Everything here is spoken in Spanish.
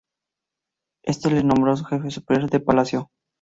Éste le nombró su Jefe Superior de Palacio.